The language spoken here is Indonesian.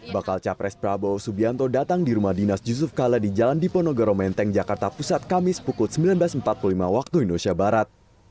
bakal capres prabowo subianto datang di rumah dinas yusuf kala di jalan diponegoro menteng jakarta pusat kamis pukul sembilan belas empat puluh lima waktu indonesia barat